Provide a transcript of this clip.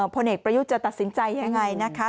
พลเอกประยุทธ์จะตัดสินใจยังไงนะคะ